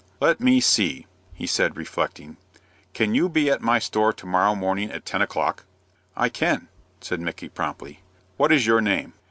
"Let me see," he said, reflecting; "can you be at my store to morrow morning at ten o'clock?" "I can," said Micky, promptly. "What is your name?"